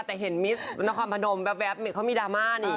แต่เห็นมิซส์นครพนมแบบแบบเนี่ยเขามีดรามะเนี่ย